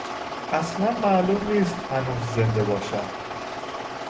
اصلا معلوم نیست هنوز زنده باشد.